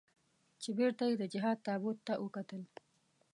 چې بېرته یې د جهاد تابوت ته وکتل.